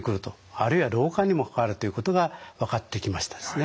あるいは老化にも関わるということが分かってきましたですね。